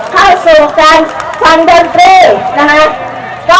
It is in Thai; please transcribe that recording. ให้สูงกันทางเดินฟรีนะฮะ